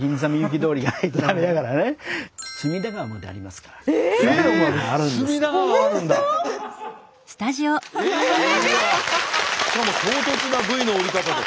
しかも唐突なＶの降り方で。